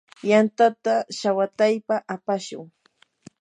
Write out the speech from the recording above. yantata shawataypa apashun.